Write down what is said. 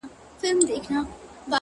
هغې کافري په ژړا کي راته وېل ه”